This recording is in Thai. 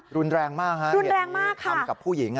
รุนแรงมากคะ